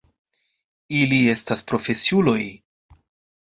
Ili estas profesiuloj.